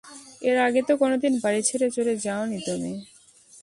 এর আগে তো কোনোদিন বাড়ি ছেড়ে চলে যাও নি তুমি।